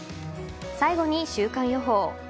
最後に週間予報。